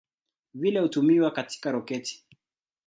Vile hutumiwa katika roketi.